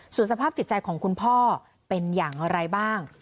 ส่วนสภาพจิตใจของคุณพ่อเป็นอย่างไรบ้าง